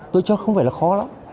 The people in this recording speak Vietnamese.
tôi chắc không phải là khó lắm